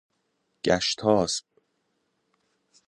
گشتاسپ